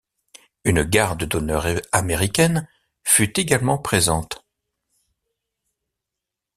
Une garde d'honneur américaine fut également présente.